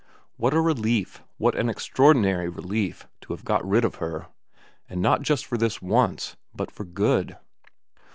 What a relief, what an extraordinary relief, to have got rid of her ; and not just for this once, but for good.